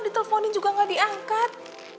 diteleponin juga gak diangkat